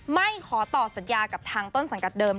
ไม่ขอต่อสัญญากับทางต้นสังกัดเดิม